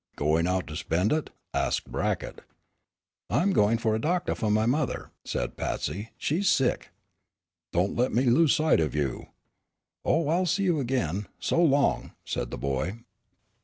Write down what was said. "Goin' out to spend it?" asked Brackett. "I'm goin' for a doctah fu' my mother," said Patsy, "she's sick." "Don't let me lose sight of you." "Oh, I'll see you again. So long," said the boy.